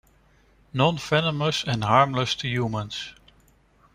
Non-venomous and harmless to humans.